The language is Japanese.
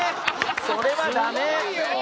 それはダメー！！